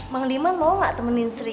mang dimang mau gak temenin sri